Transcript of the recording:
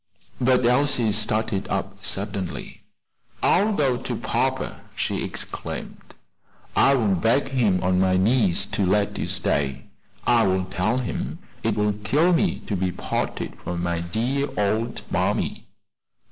But Elsie started up suddenly. "I will go to papa!" she exclaimed; "I will beg him on my knees to let you stay! I will tell him it will kill me to be parted from my dear old mammy."